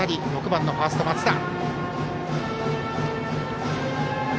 ６番ファースト、松田。